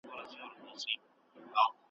له نیکونو او له لویو استادانو ,